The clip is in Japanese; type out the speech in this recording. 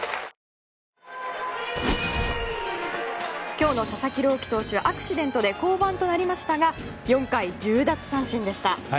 今日の佐々木朗希投手はアクシデントで降板となりましたが４回１０奪三振でした。